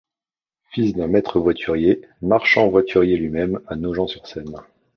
Fils d'un maître voiturier, marchand voiturier lui-même à Nogent-sur-Seine.